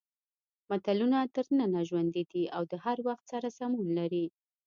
متلونه تر ننه ژوندي دي او د هر وخت سره سمون لري